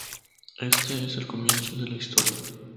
Este es el comienzo de la historia.